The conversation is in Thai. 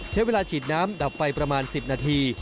ใช้เวลาฉีดน้ำดับไฟประมาณ๑๐นาที